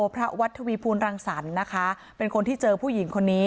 พระวัดทวีภูลรังสรรค์นะคะเป็นคนที่เจอผู้หญิงคนนี้